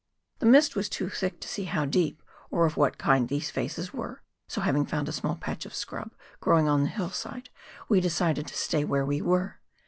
The mist was too thick to see how deep, or of what kind these faces were, so having found a small patch of scrub growing on the hillside, we de cided to stay where we were.